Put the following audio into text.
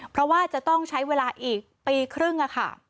เพราะว่าจะต้องใช้เวลาอีกปีครึ่งค่ะ